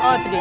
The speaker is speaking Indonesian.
oh itu dia